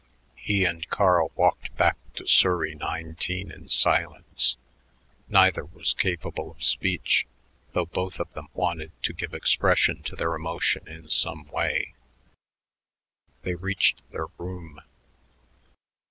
He and Carl walked back to Surrey 19 in silence. Neither was capable of speech, though both of them wanted to give expression to their emotion in some way. They reached their room.